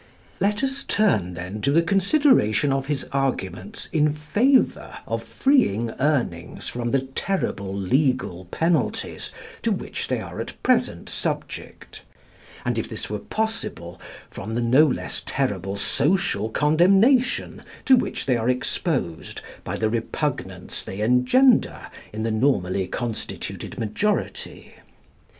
Let us turn, then, to the consideration of his arguments in favour of freeing Urnings from the terrible legal penalties to which they are at present subject, and, if this were possible, from the no less terrible social condemnation to which they are exposed by the repugnance they engender in the normally constituted majority.